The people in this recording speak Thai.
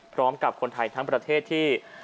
พร้อมกับคนไทยทั้งประเทศที่